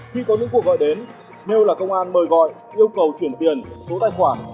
khi có những cuộc gọi đến nếu là công an mời gọi yêu cầu chuyển tiền số tài khoản